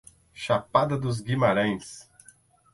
Chapada dos Guimarães